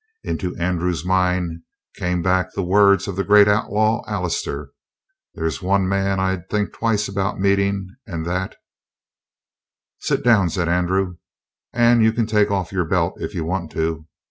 Into Andrew's mind came back the words of the great outlaw, Allister: "There's one man I'd think twice about meeting, and that " "Sit down," said Andrew. "And you can take off your belt if you want to.